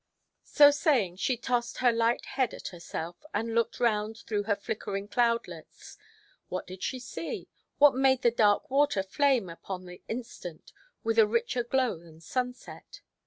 So saying, she tossed her light head at herself, and looked round through her flickering cloudlets. What did she see? What made the dark water flame upon the instant with a richer glow than sunset?